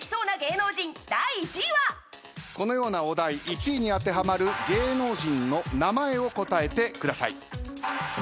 このようなお題１位に当てはまる芸能人の名前を答えてください。